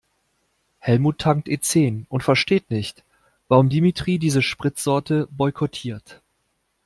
Helmut tankt E-zehn und versteht nicht, warum Dimitri diese Spritsorte boykottiert.